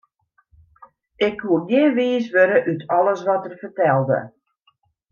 Ik koe gjin wiis wurde út alles wat er fertelde.